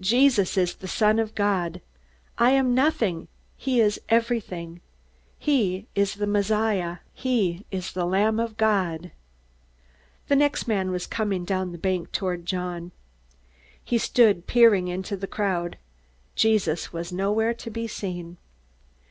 Jesus is the Son of God. I am nothing. He is everything. He is the Messiah. He is the Lamb of God!" The next man was coming down the bank toward John. John stood peering into the crowd. Jesus was nowhere to be seen.